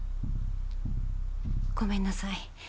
ごめんなさい。